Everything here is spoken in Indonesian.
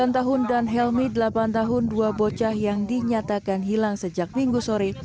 sembilan tahun dan helmi delapan tahun dua bocah yang dinyatakan hilang sejak minggu sore